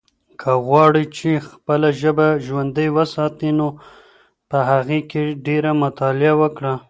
که غواړې چې خپله ژبه ژوندۍ وساتې نو په هغې کې ډېره مطالعه وکړه.